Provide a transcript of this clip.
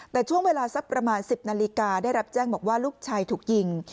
แต่ช่วงเวลาสักประมาณ๑๐นาฬิกาได้รับแจ้งบอกว่าลูกชายถูกยิง